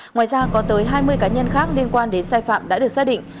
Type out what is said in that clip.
ngoài ra có tới hai mươi cá nhân khác liên quan đến sai phạm đã được xác định